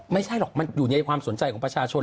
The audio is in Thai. ไม่ใช่หรอกมันอยู่ในความสนใจของประชาชน